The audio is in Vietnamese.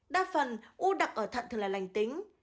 đa phần u đặc ở thận thường là lành tính